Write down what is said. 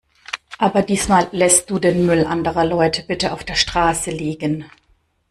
Aber diesmal lässt du den Müll anderer Leute bitte auf der Straße liegen.